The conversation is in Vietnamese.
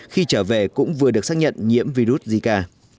khi trở về cũng vừa được xác nhận nhiễm virus zika